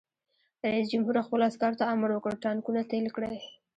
رئیس جمهور خپلو عسکرو ته امر وکړ؛ ټانکونه تېل کړئ!